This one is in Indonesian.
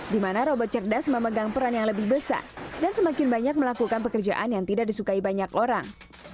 di mana robot cerdas memegang peran yang lebih besar dan semakin banyak melakukan pekerjaan yang tidak disukai banyak orang